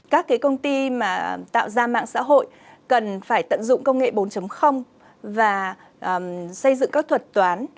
các cái công ty mà tạo ra mạng xã hội cần phải tận dụng công nghệ bốn và xây dựng các thuật toán